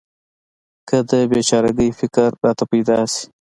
که د بې چاره ګۍ فکر راته پیدا شي.